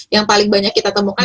yang paling banyak kita temukan